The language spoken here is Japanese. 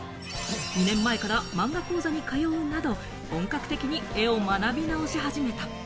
２年前からマンガ講座に通うなど、本格的に絵を学び直し始めた。